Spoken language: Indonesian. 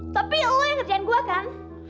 tapi lo yang kerjain gue kan